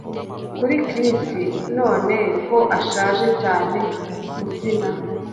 kuri chrissy none ko ashaje cyane kubyina